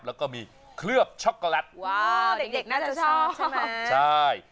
แล้วก็มีเคลือบช็อกโกแลตว้าวเด็กเด็กน่าจะชอบใช่ไหมใช่